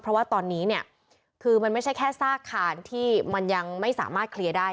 เพราะว่าตอนนี้เนี่ยคือมันไม่ใช่แค่ซากคานที่มันยังไม่สามารถเคลียร์ได้